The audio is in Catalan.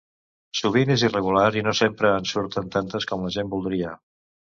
Sovint és irregular i no sempre en surten tantes com la gent voldria.